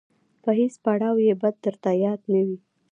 په هیڅ پړاو یې بد درته یاد نه وي.